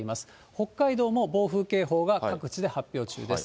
北海道も暴風警報が各地で発表中です。